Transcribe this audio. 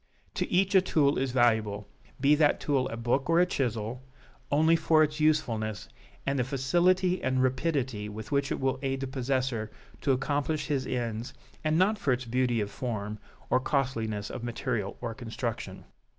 To each a tool is valuable, be that tool a book or a chisel, only for its usefulness, and the facility and rapidity with which it will aid the possessor to accomplish his ends, and not for its beauty of form, or costliness of material or construction.